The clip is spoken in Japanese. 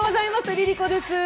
ＬｉＬｉＣｏです。